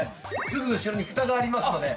すぐ後ろにふたがありますので。